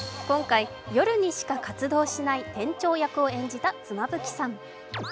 今回、夜にしか活動しない店長役を演じた妻夫木さん。